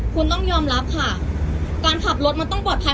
คุณต้องยอมรับค่ะการขับรถมันต้องปลอดภัย